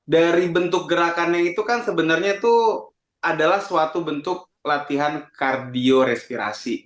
dari bentuk gerakannya itu kan sebenarnya itu adalah suatu bentuk latihan kardio respirasi